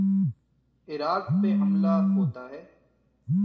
عراق پہ حملہ ہوتا ہے۔